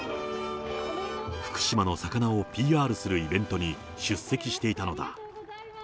福島の魚をＰＲするイベントに出席していたのだ。